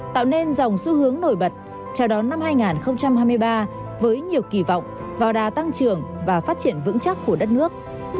tạo nên dòng xu hướng nổi bật chào đón năm hai nghìn hai mươi ba với nhiều kỳ vọng vào đà tăng trưởng và phát triển vững chắc của đất nước